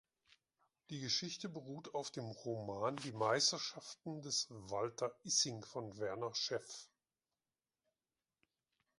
Die Geschichte beruht auf dem Roman "Die Meisterschaften des Walter Issing" von Werner Scheff.